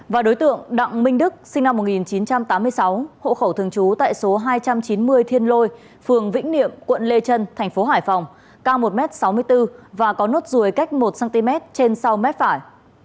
và đối tượng đặng minh đức sinh năm một nghìn chín trăm tám mươi sáu hộ khẩu thường trú tại số hai trăm chín mươi thiên lôi phường vĩnh niệm quận lê trân thành phố hải phòng cao một m sáu mươi bốn và có nốt ruồi cách một cm trên sau mép phải